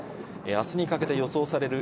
あすにかけて予想される